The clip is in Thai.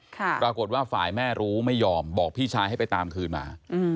ปรากฏว่าฝ่ายแม่รู้ไม่ยอมบอกพี่ชายให้ไปตามคืนมา